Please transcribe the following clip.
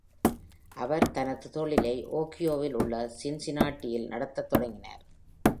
அவர் தனது தொழிலை, ஓஹியோவில் உள்ள சின்சினாட்டியில் நடத்தத் தொடங்கினார்.